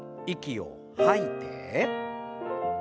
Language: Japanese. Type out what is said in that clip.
息を吐いて。